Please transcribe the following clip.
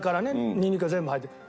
ニンニクから全部入ってる。